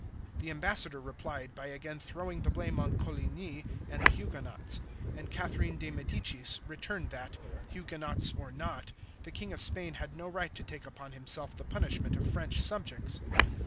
The ambassador replied by again throwing the blame on Coligny and the Huguenots; and Catherine de Medicis returned that, Huguenots or not, the King of Spain had no right to take upon himself the punishment of French subjects.